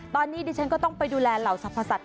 ตอนนี้ดิฉันก็ต้องไปดูแลเหล่าสรรพสัตว